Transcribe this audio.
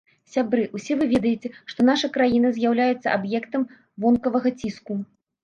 Сябры, усе вы ведаеце, што наша краіна з'яўляецца аб'ектам вонкавага ціску.